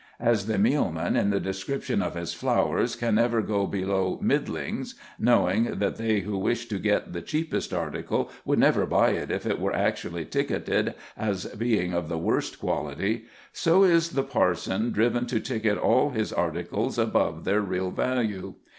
As the mealman in the description of his flours can never go below "middlings," knowing that they who wish to get the cheapest article would never buy it if it were actually ticketed as being of the worst quality, so is the parson driven to ticket all his articles above their real value.